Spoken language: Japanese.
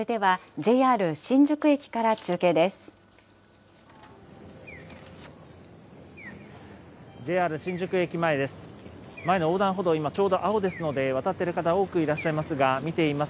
ＪＲ新宿駅から中継です。